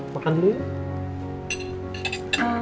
makan dulu ya